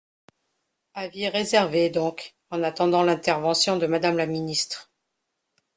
Avis réservé, donc, en attendant l’intervention de Madame la ministre.